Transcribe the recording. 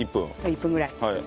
１分ぐらい。